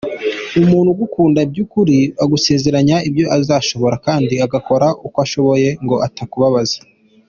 Umuntu ugukunda by’ukuri agusezeranya ibyo azashobora kandi agakora uko ashoboye ngo atakubabaza.